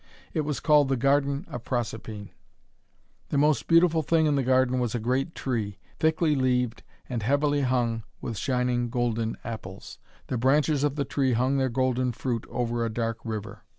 It was called the Garden of Proserpine. The most beautiful thing in the garden was a great tree, thickly leaved and heavily hung with shining golden apples. The branches of the tree hung their golden fruit over a dark river.